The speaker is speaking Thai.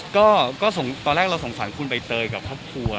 ก็ตอนแรกเราสงสารคุณใบเตยกับครอบครัว